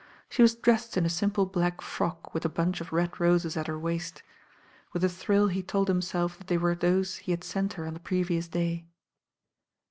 She was dressed in a simple black frock with a bunch of red roses at her waist. With a thrill he told himself that they were those he had sent her on the previous day.